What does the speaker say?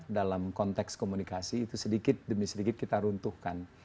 dalam konteks komunikasi itu sedikit demi sedikit kita runtuhkan